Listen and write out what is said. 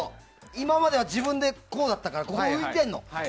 今までは自分でこうだったからここが浮いてるの。